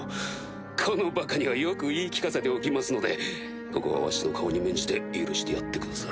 このバカにはよく言い聞かせておきますのでここはわしの顔に免じて許してやってくだされ。